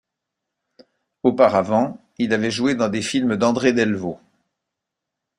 Auparavant, il avait joué dans des films d'André Delvaux.